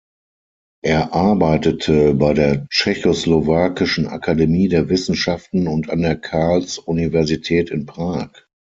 Er arbeitete bei der Tschechoslowakischen Akademie der Wissenschaften und an der Karlsuniversität in Prag.